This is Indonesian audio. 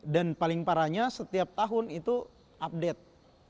dan paling parahnya setiap tahun itu update